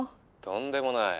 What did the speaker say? とんでもない。